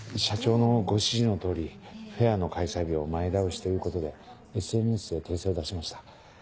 社長のご指示の通りフェアの開催日を前倒しということでＳＮＳで訂正を出しました。